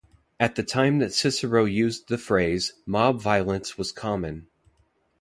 At the time that Cicero used the phrase, mob violence was common.